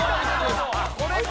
これか。